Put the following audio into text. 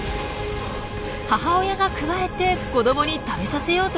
母親がくわえて子どもに食べさせようとしているんでしょうか。